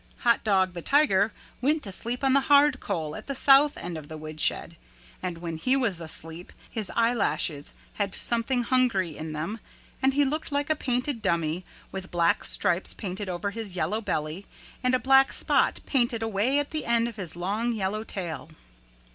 Hot Dog the Tiger went to sleep on the hard coal at the south end of the woodshed and when he was asleep his eyelashes had something hungry in them and he looked like a painted dummy with black stripes painted over his yellow belly and a black spot painted away at the end of his long yellow tail.